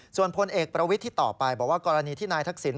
ส่วนพลเอกประวิทย์ที่ตอบไปบอกว่ากรณีที่นายทักษิณ